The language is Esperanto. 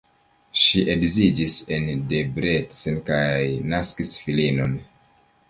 Ŝi edziniĝis en Debrecen kaj naskis filinon.